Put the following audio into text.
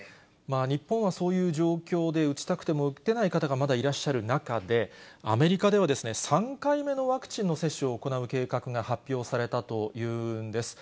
日本はそういう状況で打ちたくても打てない方がまだいらっしゃる中で、アメリカでは３回目のワクチンの接種を行う計画が発表されたというんです。